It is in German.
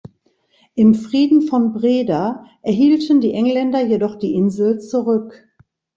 Im Frieden von Breda erhielten die Engländer jedoch die Insel zurück.